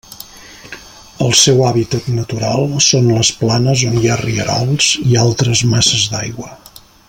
El seu hàbitat natural són les planes on hi ha rierols i altres masses d'aigua.